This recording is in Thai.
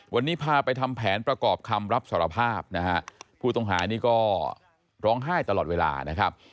วันนี้พาไปทำแผนประกอบคำรับสารภาพนะฮะผู้ต้องหานี่ก็ร้องไห้ตลอดเวลานะครับ